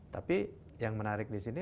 tapi yang menarik disini